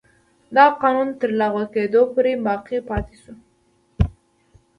دغه قانون تر لغوه کېدو پورې باقي پاتې شو.